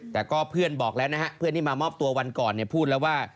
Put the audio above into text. แต่ก็เพื่อนบอกแล้วนะฮะเพื่อนที่มามอบตัววันก่อนพูดแล้วว่า